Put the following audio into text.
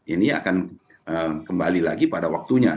ini akan kembali lagi pada waktunya